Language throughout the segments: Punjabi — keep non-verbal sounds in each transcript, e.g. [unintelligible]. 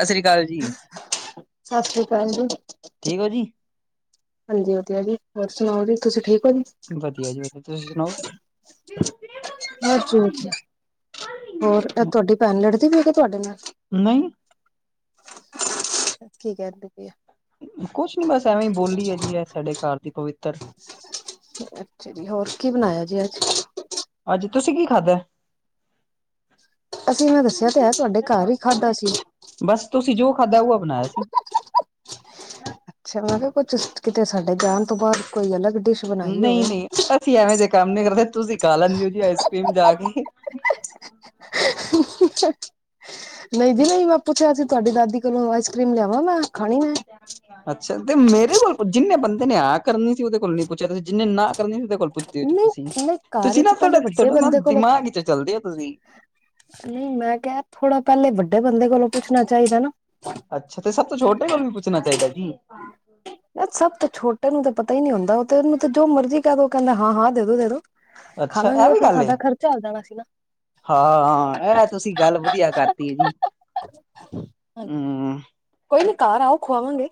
ਸਸ੍ਰੀ ਕਾਲ ਜੀ। ਸਸ੍ਰੀ ਕਾਲ ਜੀ। ਠੀਕ ਓ ਜੀ? ਹਾਂਜੀ ਵਧੀਆ ਜੀ, ਹੋਰ ਸੁਣਾਓ ਜੀ ਤੁਸੀਂ ਠੀਕ ਓ ਜੀ? ਵਧੀਆ ਜੀ ਵਧੀਆ, ਤੁਸੀਂ ਸੁਣਾਓ। ਬਸ ਠੀਕ ਹੈ। ਹੋਰ, ਐ ਤੁਐਡੀ ਭੈਣ ਲੜਦੀ ਵੀ ਹੈ ਕੇ ਤੁਆਡੇ ਨਾਲ? ਨਈਂ। ਕੀਕੈਂਦੀ ਪਈ ਏ? ਕੋਛ ਨੀ ਬਸ ਐਵੇਂ ਹੀ ਬੋਲੀ ਏਜੀ ਐ ਸਾਡੇ ਘਰ ਦੀ ਪਵਿੱਤਰ ਅੱਛਾ ਜੀ, ਹੋਰ ਕੀ ਬਨਾਯਾ ਜੇ ਅੱਜ? ਅੱਜ, ਤੁਸੀਂ ਕੀ ਖਾਧਾ? ਅਸੀਂ ਮੈਂ ਦੱਸਿਆ ਤੇ ਐ, ਤੁਆਡੇ ਘਰ ਈ ਖਾਧਾ ਸੀ। ਬਸ ਤੁਸੀਂ ਜੋ ਖਾਧਾਜ਼ਲ, ਉਆ ਬਨਾਯਾ ਸੀ। ਅੱਛਾ, ਮੈਂ ਕੇਯਾ ਕੁਛ ਕਿਤੇ ਸਾਡੇ ਜਾਣ ਤੋਂ ਬਾਦ ਕੋਈ ਅਲੱਗ ਡਿਸ਼ ਬਨਾਈ ਹੋਵੇ। ਨਹੀਂ ਨਹੀਂ ਅਸੀਂ ਐਵੇਂ ਜੇ ਕੰਮ ਨੀ ਕਰਦੇ, ਤੁਸੀਂ ਖਾ ਲੈਂਦੇ ਔਜੀ ਆਈਸਕਰ੍ਰੀਮ ਜਾ ਕੇ। ਨਈਂ ਜੀ ਨਈਂ ਮੈਂ ਪੁੱਛਿਆ ਸੀ ਤਵਾਡੀ ਦਾਦੀ ਕੋਲੋਂ ਆਈਸਕਰ੍ਰੀਮ ਲਿਆਵਾਂ ਮੈਂ, ਖਾਣੀ ਮੈਂ ਅੱਛਾ, ਤੇ ਮੇਰੇ ਕੋਲ ਪੁੱਜੀ ਜਿੰਨੇ ਬੰਦੇ ਨੇ ਹਾਂ ਕਰਨੀ ਸੀ ਔਦੇ ਕੋਲ ਨੀ ਪੁੱਛਿਆ ਤੁਸੀਂ, ਜਿੰਨੇ ਨਾ ਦੇ ਕੋਲ ਪੁੱਜਦੇ ਔਜੀਤੁਸੀਂ, ਨਹੀਂ ਨਹੀਂ ਘਰ ਤੁਸੀਂ ਚ ਨਾ ਤੁਆਡਾ ਪਹਿਲੇ ਵੱਡੇ ਤੁਆਡੇ ਨਾ ਬੰਦੇ ਕੋਲੋਂ ਦਿਮਾਗ ਚ ਚੱਲਦੇ ਔ ਤੁਸੀਂ। ਨਈਂ, ਮੈਂ ਕੇਯਾ ਥੋੜਾ ਪੈਲੇ ਵੱਡੇ ਬੰਦੇ ਕੋਲੋਂ ਪੁੱਛਣਾ ਚਾਈਦਾ ਨਾ। ਅੱਛਾ, ਤੇ ਸਭ ਤੋਂ ਛੋਟੇ ਕੋਲ ਵੀ ਪੁੱਛਣਾ ਚਾਈਦਾ ਜੀ। ਏ ਸਭ ਤਾਂ ਛੋਟੇ ਨੂੰ ਤਾਂ ਪਤਾ ਈ ਨੀ ਹੁੰਦਾ, ਔ ਤੇ ਔਨੂੰ ਤੇ ਜੋ ਮਰਜ਼ੀ ਕੈ ਦੋ ਓ ਕੈਂਦਾ ਹਾਂ-ਹਾਂ, ਦੇਦੋ-ਦੇਦੋ। ਅੱਛਾ ਖਾਲਾਂਗੇ ਇਹ ਓ ਵੀ ਫੇਰ ਗੱਲ ਏ ਸਾਡਾ ਖਰਚਾ ਆਂਦਾ ਪੇਯਾ ਸੀ ਨਾ। ਹਾਂ, ਐ ਤੁਸੀਂ ਗੱਲ ਵਧੀਆ ਕਰਤੀ ਐਜੀ। ਹਾਂ ਕੋਈ ਨੀ ਘਰ ਆਓ, ਖਵਾਵਾਂਗੇ।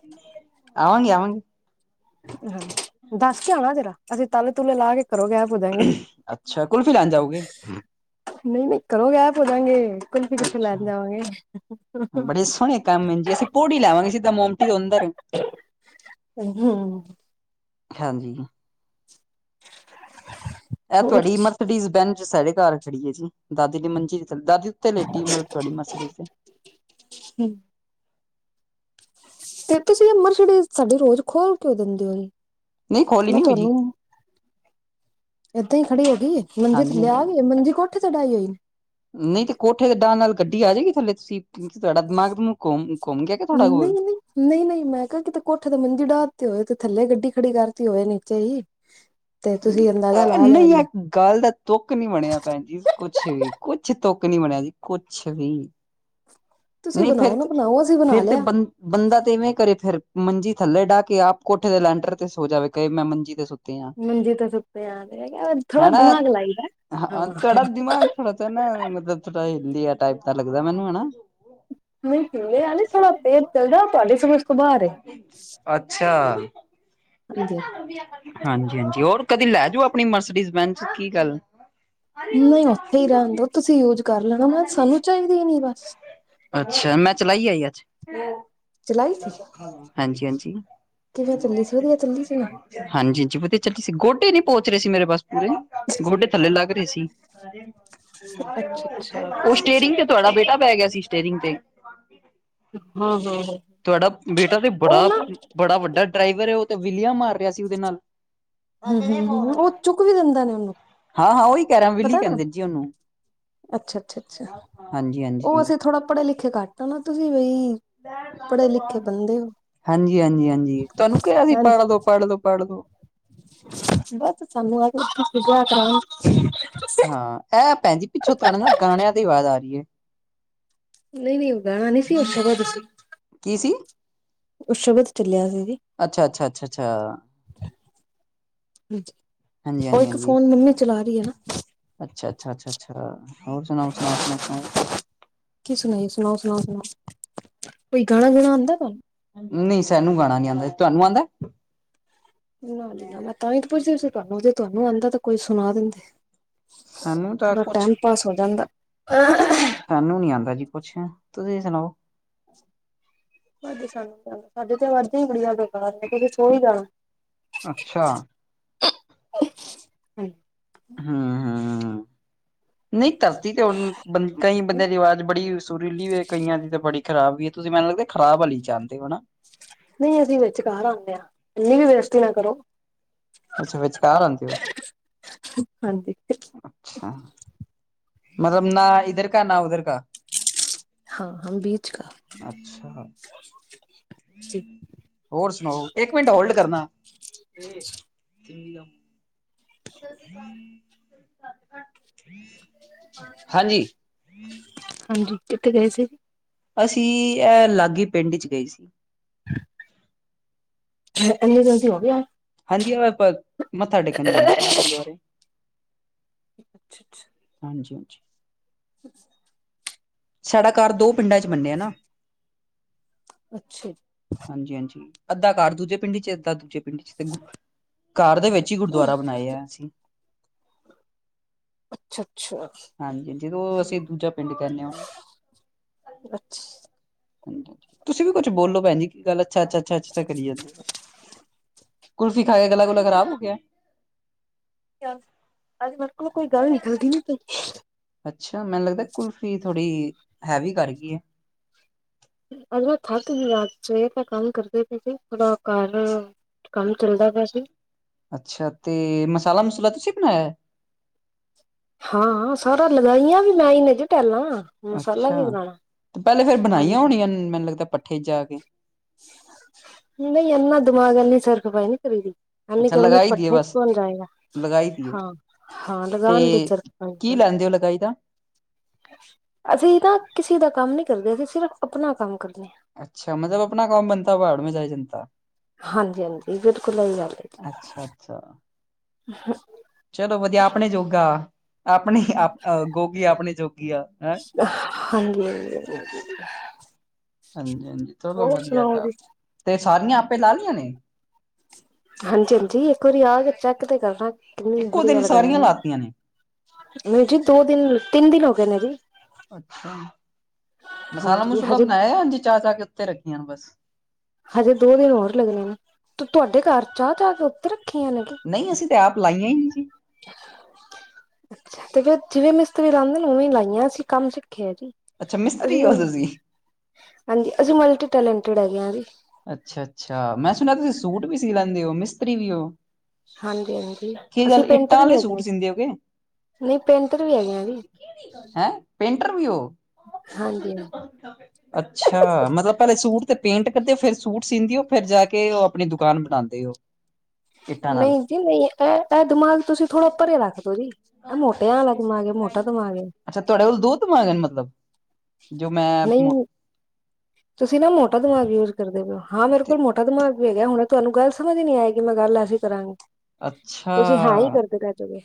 ਆਵਾਂਗੀ-ਆਵਾਂਗੀ। ਹਾਂ, ਦੱਸ ਕੇ ਆਣਾ ਜਰਾ, ਅਸੀ ਤਾਲੇ-ਤੁਲੇੇ ਲਾ ਕੇ ਘਰੋਂ ਗੈਬ ਹੋ ਜਾਂਗੇ, ਅੱਛਾ ਕੁਲਫੀ ਲੈਣ ਜਾਓਗੇ ਨਈਂ-ਨਈਂ ਘਰੋਂ ਗੈਬ ਹੋਜਾਂਗੇ। ਕੁਲਫੀ ਕਿਥੋਂ ਲੈਂ ਅੱਛਾ ਕੇ ਆਵਾਂਗੇ। ਬੜੇ ਕੀ ਓਂਦਰ ਹੁੰ। ਹਾਂਜੀ। ਇਹ ਹੋਰ ਤੁਹਾਡੀ ਮਰਥਡੀਜ਼ ਬੈਨਚ ਸਾਡੇ ਘਰ ਖੜੀ ਏਜੀ, ਦਾਦੀ ਦੀ ਮੰਜੀ ਦੇ ਥੱਲੇ, ਦਾਦੀ ਤੇ ਲੇਟੀ ਮਤਲਬ ਤੁਆਡੀ ਮਰਸਡੀਜ਼? [inaudible] ਫੇਰ ਤੁਸੀਂ ਏ ਮਰਸਡੀਜ਼ ਸਾਡੀ ਰੋਜ ਖੋਲ ਕੇਉ ਦਿੰਦੇ ਓ, ਨਹੀਂ ਖੋਲੀ ਮੈਂ ਨੀ ਹੋਈ ਜੀ ਤੁਆਨੂੰ ਏਦਾਂ ਈ ਖੜੀ ਏਜੀ, ਮੰਜੀ ਹਾਂਜੀ ਥੱਲੇ ਆ ਗਈ ਏ, ਮੰਜੀ ਕੋਠੇ ਤੇ ਢਾਈ ਹੋਈ? ਨਈਂ ਤੇ ਕੋਠੇ ਦੇ ਡਾਨ ਨਾਲ ਗੱਡੀ ਆ ਜੇਗੀ ਥੱਲੇ ਤੁਸੀਂ ਤੁਆਡਾ ਦਿਮਾਗ-ਦਿਮੂਗ ਤੁੂੰ ਘੁੰਮ ਘੁੰਮ ਗਿਆ ਥੋੜਾ ਬੋਤ? ਨਈਂ-ਨਈਂ, ਮੈਂ ਕੇਯਾ ਕਿਤੇ ਕੋਠੇ ਦੇ ਮੰਜੀ ਢਾਤੀ ਹੋਏ ਤੇ ਥੱਲੇ ਗੱਡੀ ਖੜੀ ਕਰਤੀ ਹੋਏ, ਨੀਚੇ ਈ। ਐ ਨਈਂ ਐ ਗੱਲ ਦਾ ਤੁੱਕ ਨੀ ਬਨੀਆ ਭੈਣ ਜੀ, ਕੁਛ ਵੀ ਕੁਛ ਤੁੱਕ ਨੀ ਬਨੀਆ ਜੀ ਕੁਛ ਵੀ। ਤੁਸੀਂ ਨਹੀਂ ਫਿਰ ਬਣਾਓ ਨਾ ਤੇ ਬਣਾਓ ਅਸੀਂ ਬਣਾ ਫਿਰ ਤੇ ਲਿਆ ਬੰਦ ਬੰਦਾ ਤੇ ਇਵੇਂ ਕਰੇ ਫਿਰ ਮੰਜੀ ਥੱਲੇ ਡਾਹ ਕੇ ਆਪ ਕੋਠੇ ਦੇ ਲੈਂਟਰ ਤੇ ਸੋ ਜਾਵੇ ਕਈ ਮੈਂ ਮੰਜੀ ਤੇ ਸੁਤ ਮੰਜੀ ਤੇ ਸੁੱਤੇ ਆ ਥੋੜਾ ਹਨਾ ਦਿਮਾਗ ਲਾਈਦਾ ਹਾਂ ਤੁਹਾਡਾ ਦਿਮਾਗ ਥੋੜਾ ਤੇ ਨਾ ਮਤਲਬ ਥੋੜਾ ਹਿੱਲੀਆ ਟਾਈਪ ਦਾ ਲੱਗਦਾ ਮੈਨੂੰ ਹਨਾ ਨਹੀਂ ਤੇ ਐ ਨਹੀਂ ਥੋੜਾ ਤੇਜ ਚਲਾ ਜਾ ਤੁਹਾਡੀ ਸਮਝ ਤੋਂ ਬਾਹਰ ਏ। ਅੱਛਾ। ਹਾਂਜੀ। ਹਾਂਜੀ ਹਾਂਜੀ ਹੋਰ ਕਦੀ ਲੈ ਜਾਓ ਆਪਣੀ ਮਰਸਡੀਜ਼ ਵੈਨ ਚ ਕੀ ਗੱਲ। ਨਹੀਂ ਉੱਥੇ ਹੀ ਰਹਿਣ ਦੋ ਤੁਸੀਂ ਯੂਜ ਕਰ ਲੈਣਾ ਮੈਂ ਸਾਨੂੰ ਚਾਹੀਦੀ ਨੀ ਬਸ। ਅੱਛਾ ਮੈਂ ਚਲਾਈ ਐ ਜੀ ਅੱਜ ਚਲਾਈ ਸੀ ਹਾਂਜੀ ਹਾਂਜੀ। ਕਿਵੇਂ ਚੱਲੀ ਸੀ ਵਧੀਆ ਚੱਲੀ ਸੀ ਨਾ? ਹਾਂਜੀ, ਹਾਂਜੀ ਵਧੀਆ ਚੱਲੀ ਸੀ ਗੋਡੇ ਨੀ ਪਹੁੰਚ ਰਹੇ ਸੀ ਮੇਰੇ ਬਸ ਪੂਰੇ ਗੋਡੇ ਥੱਲੇ ਲੱਗ ਰਹੇ ਸੀ। ਅਰੇ। ਅੱਛਾ ਅੱਛਾ ਉਹ ਸਟੇਰਿੰਗ ਤੇ ਤੁਹਾਡਾ ਬੇਟਾ ਬੈ ਗਿਆ ਸੀ ਸਟੇਰਿੰਗ ਤੇ ਹਾਂ ਹਾਂ ਹਾਂ ਤੁਹਾਡਾ ਬੇਟਾ ਤੇ ਉਹ ਬੜਾ, ਨਾ ਬੜਾ ਵੱਡਾ ਡਰਾਈਵਰ ਏ ਉਹ ਤਾਂ ਵਿਲੀਆ ਮਾਰ ਰਿਹਾ ਸੀ ਉਦੇ ਨਾਲ। ਹਾਂ ਹੂੰ ਹੂੰ ਹੂੰ ਉਹ ਚੁੱਕ ਵੀ ਦਿੰਦਾ ਨੇ ਉਹਨੂੰ ਹਾਂ ਓਹੀ ਕਹਿ ਰਾ ਵਿਲੀ ਪਤਾ ਨਾ ਕਹਿੰਦੇ ਜੀ ਉਹਨੂੰ। ਅੱਛਾ ਅੱਛਾ ਅੱਛਾ ਹਾਂਜੀ, ਹਾਂਜੀ। ਉਹ ਅਸੀਂ ਥੋੜ੍ਹਾ ਪੜ੍ਹੇ-ਲਿਖੇ ਘੱਟ ਆ ਨਾ ਤੁਸੀਂ ਬੀ ਹਾਂਜੀ, ਹਾਂਜੀ, ਹਾਂਜੀ ਤੁਹਾਨੂੰ ਕਿਹਾ ਸੀ ਪੜ ਹਾਂਜੀ ਲੋ, ਪੜ ਲੋ, ਪੜ ਲੋ। [inaudible] ਹਾਂ ਐਹ ਭੈਣ ਜੀ ਪਿੱਛੋਂ ਤਹਾਡੇ ਨਾ ਗਾਣਿਆਂ ਦੀ ਆਵਾਜ਼ ਆ ਰਹੀ ਐ। ਨਹੀਂ ਨਹੀਂ ਉਹ ਗਾਣਾ ਨਹੀਂ ਸੀ ਉਹ ਸ਼ਬਦ ਸੀ। ਕੀ ਸੀ? ਉਹ ਸ਼ਬਦ ਚੱਲਿਆ ਸੀ ਜੀ। ਅੱਛਾ, ਅੱਛਾ, ਅੱਛਾ। ਅੱਛਾ ਜੀ ਹਾਂਜੀ ਉਹ ਹਾਂਜੀ ਇੱਕ ਹਾਂਜੀ ਫੋਨ ਮੰਮੀ ਚਲਾ ਰਹੀ ਐ ਨਾ। ਅੱਛਾ, ਅੱਛਾ, ਅੱਛਾ, ਅੱਛਾ ਹੋਰ ਸੁਣਾਓ, ਸੁਣਾਓ, ਸੁਣਾਓ ਸੁਣਾ ਕੀ ਸੁਣਾਈਏ ਸੁਣਾਓ ਸੁਣਾਓ ਸੁਣਾਓ ਕੋਈ ਗਾਣਾ ਗੁਣਾ ਆਦਾ ਤੁਹਾਨੂੰ? ਨਹੀਂ ਸਾਨੂੰ ਗਾਣਾ ਨੀ ਆਉਂਦਾ। ਤੁਹਾਨੂੰ ਆਉਂਦਾ? ਨਾ ਜੀ ਨਾ ਮੈਂ ਤਾ ਹੀ ਤਾ ਪੁੱਛਦੀ ਸੀ ਤੁਹਾਨੂੰ ਜੇ ਤੁਹਾਨੂੰ ਆਦਾ ਤੇ ਕੋਈ ਸੁਣਾ ਦਿੰਦੇ। ਸਾਨੂੰ ਤਾਂ ਥੋੜਾ ਕੁਛ ਟੈਮ ਪਾਸ ਹੋ ਜਾਂਦਾ। ਸਾਨੂੰ ਨੀ ਆਦਾ ਜੀ ਕੁਛ। ਤੁਸੀਂ ਸੁਣਾਓ? ਸਾਨੂੰ ਸਾਡੇ ਤੇ ਅਵਾਜ਼ਾ ਹੀ ਬੜੀਆ ਬੇਕਾਰ ਐ ਤੁਸੀਂ ਸੋ ਹੀ ਜਾਣਾ। ਅੱਛਾ। ਹਾਂਜੀ। ਹੂੰ ਹੂੰ ਨਹੀਂ ਧਰਤੀ ਤੇ ਹੁਣ ਬੰ ਕਈ ਬੰਦਿਆਂ ਦੀ ਆਵਾਜ਼ ਬੜੀ ਸੁਰੀਲੀ ਵੇ ਕਈਆਂ ਦੀ ਤਾਂ ਬੜੀ ਖਰਾਬ ਵੀ ਐ ਤੁਸੀਂ ਮੈਨੂੰ ਲੱਗਦੇ ਖਰਾਬ ਆਲੀ ਚ ਆਦੇ ਹੋ ਹੈਨਾ? ਨਹੀਂ ਅਸੀਂ ਵਿਚਕਾਰ ਆਣੇ ਆ ਇੰਨੀ ਵੀ ਬੇਜ਼ਤੀ ਨਾ ਕਰੋ। ਅੱਛਾ ਵਿਚਕਾਰ ਆਦੇ ਓ। ਹਾਂਜੀ ਅੱਛਾ ਮਤਲਬ ਨਾ ਇਧਰ ਕਾ ਨਾ ਉਧਰ ਕਾ। ਹਾਂ ਹਮ ਬੀਚਕਾ। ਅੱਛਾ। [unintelligible] ਹੋਰ ਸੁਣਾਓ, ਇੱਕ ਮਿੰਟ ਹੋਲਡ ਕਰਨਾ। [unintelligible] ਹਾਂਜੀ! ਹਾਂਜੀ, ਕਿੱਥੇ ਗਏ ਸੀ? ਅਸੀਂ, ਐਹ ਲਾਗੇ ਈ ਪਿੰਡ ਚ ਗਏ ਸੀ। ਅ ਐਨੀ ਜਲਦੀ ਹੋ ਵੀ ਆਏ? ਹਾਂਜੀ, ਉਹ ਆਪਾਂ, ਮੱਥਾ ਟੇਕਣ ਜਾਣਾ ਸੀ ਜੀ ਗੁਰਦਵਾਰੇ। ਅੱਛਾ, ਅੱਛਾ ਹਾਂਜੀ, ਹਾਂਜੀ ਹੱ [unintelligible] ਸਾਡਾ ਘਰ ਦੋ ਪਿੰਡਾਂ ਚ ਬਣਿਆ ਨਾ। ਅੱਛਾ ਜੀ। ਹਾਂਜੀ, ਹਾਂਜੀ ਅੱਧਾ ਘਰ ਦੂਜੇ ਪਿੰਡ ਚ, ਅੱਧਾ ਦੂਜੇ ਪਿੰਡ ਚ ਤੇ ਘਰ ਦੇ ਵਿੱਚ ਵਿੱਚ ਹੀ ਗੁਰਦੁਆਰਾ ਬਣਾਇਆ ਅਸੀਂ। ਅੱਛਾ, ਅੱਛਾ ਹਾਂਜੀ, ਜਿਹਨੂੰ ਅਸੀਂ ਦੂਜਾ ਪਿੰਡ ਕਹਿੰਨੇ ਓ। ਅੱਛ ਹ ਤੁਸੀਂ ਵੀ ਕੁੱਛ ਬੋਲੋ ਭੈਣ ਜੀ, ਕੀ ਗੱਲ ਅੱਛਾ, ਅੱਛਾ, ਅੱਛਾ ਕਰੀ ਜਾਂਦੇ ਹੋ ਬਸ। ਕੁਲਫ਼ੀ ਖਾ ਕੇ ਗਲਾ ਗੁਲਾ ਖਰਾਬ ਹੋ ਗਿਆ। ਅੱਜ ਮੇਰੇ ਕੋਲੋਂ ਕੋਈ ਗੱਲ ਨਿਕਲਦੀ ਨੀ ਪਈ। ਅੱਛਾ ਮੈਨੂੰ ਲੱਗਦਾ ਕੁਲਫੀ ਥੋੜੀ ਹੈਵੀ ਕਰ ਗਈ ਐ। ਅੱਜ ਮੈ ਥੱਕ ਗਈ ਆ, ਸਵੇਰ ਦਾ ਕੰਮ ਕਰਦੀ ਪਈ ਸੀ ਪੂਰਾ ਘਰ, ਕੰਮ ਚੱਲਦਾ ਪਿਆ ਸੀ। ਅੱਛਾ ਤੇ ਮਸਾਲਾ ਮਸੂਲਾ ਤੁਸੀਂ ਬਣਾਇਆ? ਹਾਂ, ਸਾਰਾ ਲਗਾਈਆਂ ਵੀ ਮੈਂ ਹੀ ਨੇ ਜੀ ਟੈਲਾਂ। ਮਸਾਲਾ ਅੱਛਾ ਵੀ ਬਣਾਣਾ ਤੇ ਪਹਿਲੇ ਫੇਰ ਬਣਾਈਆਂ ਹਾਂਜੀ ਹੋਣੀਆਂ ਮੈਨੂੰ ਲੱਗਦਾ ਪੱਠੇ ਚ ਜਾ ਕੇ। ਨਹੀਂ ਇਹਨਾ ਦਿਮਾਗ ਹੈਨੀ, ਸਰਖਪਾਈ ਨੀ ਕਰੀ ਦੀ। ਇਹਨੀ ਅੱਛਾ ਗਰਮੀ ਚ ਲਗਾਈ ਦੀਏ ਪੱਠੇ ਚ ਬਸ ਕੌਣ ਜਾਏਗਾ। ਲਗਾਈ ਦੀਏ ਹਾਂ, ਹਾਂ ਤੇ ਲਗਾਣ ਦੀ ਸਰ ਕੀ ਲੈਂਦੇ ਹੋ ਲਗਾਈ ਦਾ? ਅਸੀਂ ਨਾ ਕਿਸੇ ਦਾ ਕੰਮ ਨੀ ਕਰਦੇ, ਅਸੀਂ ਸਿਰਫ ਆਪਣਾ ਕੰਮ ਕਰਨੇ ਆ। ਅੱਛਾ ਮਤਲਬ ਆਪਣਾ ਕਾਮ ਬੰਨਤਾ, ਭਾੜ ਮੈਂ ਜਾਏ ਜਨਤਾ। ਹਾਂਜੀ, ਹਾਂਜੀ ਬਿਲਕੁਲ ਇਹੀ ਗੱਲ ਹੈ ਅੱਛਾ ਅੱਛਾ ਜੀ। ਚਲੋ ਵਧੀਆ, ਆਪਣੇ ਜੋਗਾ ਆਪਣੀ, ਗੋਗੀ ਆਪਣੀ ਜੋਗੀ ਆ, ਹੈਂ! ਹਾਂਜੀ, ਹਾਂਜੀ ਹਾਂਜੀ, ਹਾਂਜੀ ਚਲੋ ਹੋਰ ਵਧੀਆ ਸੁਣਾਓ ਕੰਮ। ਜੀ। ਤੇ ਸਾਰੀਆਂ ਆਪੇ ਲਾ ਲਈਆਂ ਨੇ? ਹਾਂਜੀ, ਹਾਂਜੀ ਇੱਕ ਵਰੀ ਆ ਕੇ ਚੈੱਕ ਤੇ ਕਰਨਾ, ਕਿੰਨੀ ਇੱਕੋ ਵਧੀਆ ਦਿਨ ਲਗਾਈਆਂ ਸਾਰੀਆਂ ਨੇ। ਲਾਤੀਆਂ ਨਹੀਂ ਜੀ ਦੋ ਦਿਨ, ਤਿੰਨ ਦਿਨ ਹੋ ਗਏ ਨੇ ਜੀ। ਅੱਛਾ ਮਸਾਲਾ ਹਾਂਜੀ ਮਸੂਲਾ ਬਣਾਇਆ, ਯਾ ਇੰਜ ਹੀ ਚਾ ਚਾ ਕੇ ਉੱਤੇ ਰੱਖੀਆਂ ਨੇ ਬਸ। ਹਜੇ ਦੋ ਦਿਨ ਹੋਰ ਲੱਗਣੇ ਨੇ, ਤੇ ਤੁਹਾਡੇ ਘਰ ਚਾ ਚਾ ਤੇ ਉੱਤੇ ਰੱਖੀਆਂ ਨੇ। ਨਹੀਂ ਅਸੀਂ ਤੇ ਆਪ ਲਾਈਆਂ ਹੀ ਨਹੀਂ ਸੀ। ਅੱਛਾ ਤੇ ਫਿਰ ਜਿਵੇਂ ਮਿਸਤਰੀ ਲਾਂਦੇ ਨੇ, ਉਵੇਂ ਲਾਈਆਂ ਅਸੀਂ ਕੰਮ ਸਿੱਖਿਆ ਹੈ ਜੀ। ਅੱਛਾ ਮਿਸਤਰੀ ਅਸੀਂ ਹੋ ਤੁਸੀਂ ਹਾਂਜੀ, ਅਸੀਂ ਮਲਟੀ ਟੈਲੇਟਡ ਹੈਗੇ ਆ ਜੀ। ਅੱਛਾ, ਅੱਛਾ ਮੈਂ ਸੁਣਿਆ ਤੁਸੀਂ ਸੂਟ ਵੀ ਸੀ ਲੈਂਦੇ ਹੋ, ਮਿਸਤਰੀ ਵੀ ਹੋ। ਹਾਂਜੀ-ਹਾਂਜੀ। ਕੀ ਅਸੀਂ ਗੱਲ ਪੇਂਟਰ ਇੱਟਾਂ ਵੀ ਲਈ ਹੈਗੇ ਸੂਟ ਹਾਂ ਸਿੰਦੇ ਹੋ ਕੇ! ਜੀ ਨਹੀਂ ਪੇਂਟਰ ਵੀ ਹੈਗੇ ਹਾਂ ਜੀ ਹੈਂ, ਪੇਂਟਰ ਵੀ ਓ ਹਾਂਜੀ। ਅੱਛਾ ਮਤਲਬ ਪੈਲੇ ਸੂਟ ਤੇ ਪੇਂਟ ਕਰਦੇ ਊ ਫੇਰ ਸੂਟ ਸਿੰਦੇ ਹੋ ਫਿਰ ਜਾ ਕੇ ਉਹ ਆਪਣੀ ਦੁਕਾਨ ਬਣਾਉਂਦੇ ਊ ਨਈ ਜੀ ਨਈ ਏਹ-ਏਹ ਦਮਾਗ ਤੁਸੀਂ ਥੋੜਾ ਪਰੇ ਰੱਖ ਦੋ ਜੀ। ਆ ਮੋਟਿਆਂ ਆਲਾ ਦਿਮਾਗ ਐ ਮੋਟਾ ਦਮਾਗ ਏ। ਅੱਛਾ ਤੁਆਡੇ ਕੋਲ ਦੋ ਦਮਾਗ ਨੇ ਮਤਲਬ ਜੋ ਮੈਂ ਨਹੀਂ ਮੋ ਤੁਸੀਂ ਨਾ ਮੋਟਾ ਦਮਾਗ ਯੂਜ ਕਰਦੇ ਪਏ ਓ ਹਾਂ ਮੇਰੇ ਕੋਲ ਮੋਟਾ ਦਮਾਗ ਵੀ ਹੈਗਾ ਹੁਣ ਤੁਆਨੂੰ ਗੱਲ ਸਮਝ ਨੀ ਆਏਗੀ ਮੈਂ ਗੱਲ ਐਸੀਂ ਕਰਾਂਗੀ ਅੱਛਾ, ਤੁਸੀਂ ਹਾਂ ਹੀ ਕਰਦੇ ਰਹਿ ਜਾਓਗੇ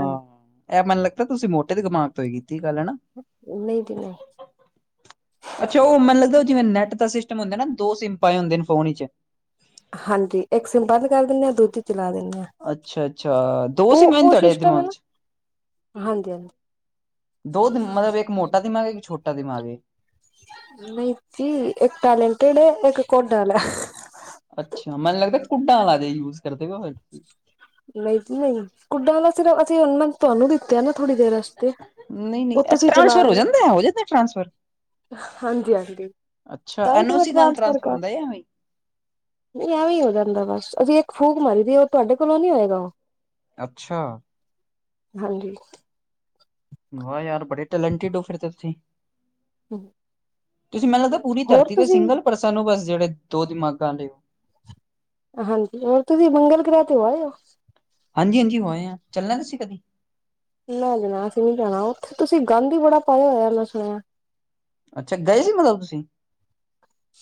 ਹਾਂਜੀ ਏਹ ਮਨੂੰ ਲੱਗਦਾ ਤੁਸੀਂ ਮੋਟੇ ਦੇ ਦਿਮਾਗ ਤੋਂ ਈ ਕੀਤੀ ਗੱਲ ਹੈਨਾ। ਨਈ ਦੀ ਨਈ। ਅੱਛਾ ਓ ਮੈਨ ਲੱਗਦਾ ਜਿਵੇਂ ਨੈੱਟ ਦਾ ਸਿਸਟਮ ਹੁੰਦਾ ਨਾ ਦੋ ਸਿੰਮ ਪਾਏ ਹੁੰਦੇ ਨੇ ਫੋਨ ਇਚ ਹਾਂਜੀ ਏਕ ਸੇਮ ਬੰਦ ਕਰ ਦਿੰਦੇ ਆ ਦੁੱਜੀ ਚਲਾ ਦਿੰਦੇ ਆ। ਅੱਛਾ-ਅੱਛਾ ਦੋ ਸੀ ਮੈਂਨ ਤੁਆੜੇ ਸਿਸਟਮ ਹੈ ਦਿਮਾਗ ਨਾ ਚ ਹਾਂਜੀ ਹਾਂਜੀ ਦੋ ਦਿ ਮਤਲਬ ਏਕ ਮੋਟਾ ਦਿਮਾਗੇ ਏਕ ਛੋਟਾ ਦਿਮਾਗੇ ਏ। ਨਈ ਜੀ ਏਕ ਟੈਲੇਟੇਡ ਐ। ਏਕ ਕੋਡਲ ਐ। ਅੱਛਾ ਮੈਨ ਲੱਗਦਾ ਕੁੱਡਾਂ ਲਾ ਯੂਜ ਕਰਦੇ ਹੋ ਨਈ ਜੀ ਨਈ ਕੁੱਡਾਂ ਆਲਾ ਸਿਰਫ ਅਸੀਂ ਹੁਣ‌ ਮੈਨ ਤੁਆਨੂੰ ਦ ਤੇ ਆ ਨਾ ਥੋੜ੍ਹੀ ਦੇਰ ਅਸਤੇ, ਨਹੀਂ ਓ ਨਹੀਂ ਤੁਸੀਂ ਚਲਾ ਟ੍ਰਾਂਸਫਰ ਹੋ ਰਹੇ ਓ ਜਾਂਦਾ ਹੋ ਜਾਂਦਾ ਟ੍ਰਾਂਸਫਰ ਹਾਂਜੀ-ਹਾਂਜੀ, ਅੱਛਾ ਤਾਂ ਈ ਐਨ ਓ ਤ ਸੀ ਨਾਲ ਐਡਵਾਂਸ ਫਰ ਟ੍ਰਾਂਸਫਰ ਕਾ ਹੁੰਦਾ ਜਾਂ ਐਵੇਂ। ਨਈ ਐਵੇਂ ਹੋ ਜਾਂਦਾ ਬਸ ਅਸੀਂ ਏਕ ਫੂਕ ਮਾਰੀ ਦੀ ਓ ਤੁਆਡੇ ਕੋਲੋਂ ਨਈ ਹੋਏਗਾ ਓ। ਅੱਛਾ। ਹਾਂਜੀ। ਵਾਹ ਯਾਰ ਬੜੇ ਟੈਲੈਂਟਿਡ ਹੋ ਫਿਰ ਤੇ ਤੁਸੀਂ। ਹੂੰ। ਤੁਸੀਂ ਮੈਨੂੰ ਲੱਗਦਾ ਪੂਰੀ ਧਰਤੀ ਤੇ ਸਿੰਗਲ ਪਰਸਨ ਹੋ ਬਸ ਜੇੜੇ ਦੋ ਦਿਮਾਗਾਂ ਆਲੇ ਹਾਂਜੀ ਹੋਰ ਤੁਸੀ ਮੰੰਗਲ ਗ੍ਰਹਿ ਤੇ ਹੋ ਆਏ ਓ। ਹਾਂਜੀ-ਹਾਂਜੀ ਹੋ ਆਏ ਆ, ਚੱਲਣਾ ਤੁਸੀਂ ਕਦੇ। ਨਾ ਜਾਣਾ ਅਸੀਂ ਨੀ ਜਾਣਾ ਓਥੇ ਤੁਸੀਂ ਗਾਂਧ ਈ ਬੜਾ ਪਾਯਾ ਹੋਯਾ ਮੈਂ ਸੁਣਿਆ ਅੱਛਾ ਗਏ ਸੀ ਮਤਲਬ ਤੁਸੀਂ।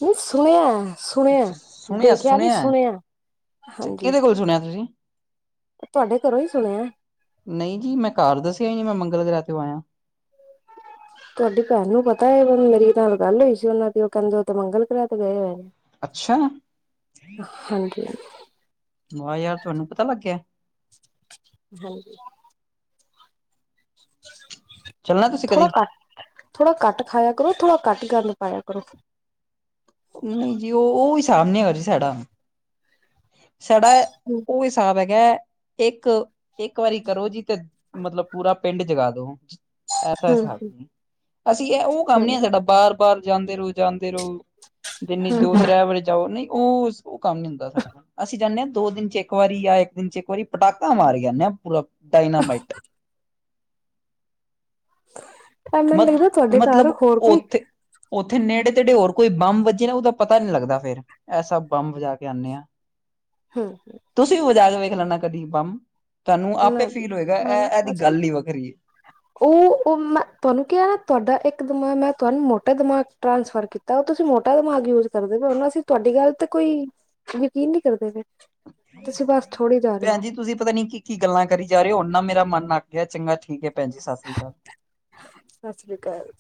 ਨਈ ਸੁਣਿਆ-ਸੁਣਿਆ ਅੱਛਾ ਸੁਣਿਆ ਦੇਖਿਆ ਨਈ ਸੁਣਿਆ ਅੱਛਾ ਕਿਦੇ ਕੋਲ ਸੁਣਿਆ ਤੁਸੀਂ? ਤੁਆਡੇ ਕਰੋਂ ਈ ਸੁਣਿਆ ਨਈ ਜੀ ਮੈਂ ਕਾਰ ਦੱਸਿਆ ਈ ਨੀ ਮੈਂ ਮੰਗਲ ਗ੍ਰਹਿ ਤੋਂ ਆਯਾ। ਤੁਆਡੀ ਪੈਣ ਨੂੰ ਪਤਾ ਏ ਮੇਰੀ ਨਾਲ ਗੱਲ ਹੋਈ ਸੀ ਓਨਾਂ ਦੀ ਓ ਕੈਂਦੇ ਤੇ ਮੰਗਲ ਗ੍ਰਹਿ ਤੇ ਗਏ ਹੋਏ ਨੇ। ਅੱਛਾ। ਹਾਂਜੀ-ਹਾਂ ਵਾਹ ਯਾਰ ਤੁਆਨੂੰ ਪਤਾ ਲੱਗ ਗਿਆ। ਹਾਂਜੀ। ਚੱਲਣਾ ਤੁਸੀਂ ਥੋੜਾ ਕਦੀ ਕੱਟ ਥੋੜਾ ਕੱਟ ਖਾਇਆ ਕਰੋ ਥੋੜ੍ਹਾ ਕੱਟ ਗੰਦ ਪਾਇਆ ਕਰੋ। ਨਈ ਜੀ ਓ ਓਹੀ ਸਾਬ ਨੀਗਾ ਜੀ ਸਾਡਾ, ਸਾਡਾ ਹੂੰ ਓ ਹਿਸਾਬ ਹੈ ਗੈਸ ਏਕ, ਏਕ ਵਾਰੀ ਕਰੋ ਜੀ ਤੇ ਮਤਲਬ ਪੂਰਾ ਪਿੰਡ ਜਗਾ ਦੋ ਐਸਾ ਹੂੰ ਹਿਸਾਬ ਨੀ ਅਸੀਂ ਏ ਓ ਕੰਮ ਹੂੰ ਨੀ ਏ ਸਾਡਾ ਬਾਰ-ਬਾਰ ਜਾਂਦੇ ਰਹੋ ਜਾਂਦੇ ਰਹੋ ਜਨੀ ਹੂੰ ਦੋ ਤ੍ਰੈ ਵਜੇ ਜਾਓ ਨਈਂ ਓ-ਓ ਕੰਮ ਨੀ ਹੁੰਦਾ ਸਾਡੇ। ਜਾਂਨੇ ਆਂ ਦੋ ਦਿਨ ਚ ਇੱਕ ਵਾਰੀ ਜਾਂ ਇੱਕ ਦਿਨ ਚ ਇੱਕ ਵਾਰੀ ਪਟਾਕਾ ਮਾਰ ਜਾਂਨੇ ਆਂ ਪੂਰਾ ਡਾਇਨਾਮਾਈਟ। ਟੈਮ ਨੀ ਲੱਗਦਾ ਥੁਆਡੇ ਘਰ ਹੋਰ ਕੋਈ ਓਥੇ ਨੇੜੇ ਤੇੜੇ ਹੋਰ ਕੋਈ ਬੰਬ ਵੱਜੇ ਨਾ ਓਦਾ ਪਤਾ ਨੀ ਲੱਗਦਾ ਫੇਰ ਐਸਾ ਬੰਬ ਵਜਾ ਕੇ ਆਨੇ ਆਂ। ਹੂੰ ਤੁਸੀਂ ਵੀ ਵਜਾ ਕੇ ਵੇਖ ਲੈਨਾ ਕਦੀ ਬੰਮ ਤੁਆਨੂੰ ਆਪੇ ਨਾ ਫੀਲ ਹੋਏਗਾ ਐ ਐਦੀ ਗੱਲ ਈ ਵੱਖਰੀ ਐ। [inaudible] ਓ ਮੈਂ ਤਾਨੂੰ ਕਿਆ ਨਾ ਤੁਆਡਾ ਇੱਕ ਦਿਮਾਗ ਮੈਂ ਤੁਆਨੂੰ ਮੋਟਾ ਦਿਮਾਗ ਟ੍ਰਾਂਸਫਰ ਕੀ ਤਾਂ ਓ ਤੁਸੀਂ ਮੋਟਾ ਦਿਮਾਗ ਯੂਜ ਕਰਦੇ ਪਏਂ ਓਂ ਹੁਨ ਅਸੀਂ ਤੁਆਡੀ ਗੱਲ ਤੇ ਕੋਈ ਯਕੀਨ ਨੀ ਕਰਦੇ ਪਏ। ਤੁਸੀਂ ਬਸ ਛੋੜੀ ਜਾ ਰਹੇ ਹੋ ਭੈਨ ਜੀ ਤੁਸੀਂ ਪਤਾ ਨੀ ਕੀ ਕੀ ਗੱਲਾਂ ਕਰੀ ਜਾ ਰਏਂ ਓਂ ਹੁਨ ਨਾ ਮੇਰਾ ਮਨ ਅੱਕ ਗਿਆ ਚੰਗਾ ਠੀਕ ਐ ਭੈਨ ਜੀ ਸਸਰੀ ਕਾਲ। ਸਸ ਰੀ ਕਾਲ।